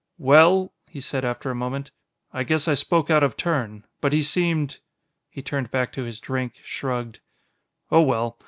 "Well," he said after a moment, "I guess I spoke out of turn. But he seemed ..." He turned back to his drink, shrugged. "Oh, well.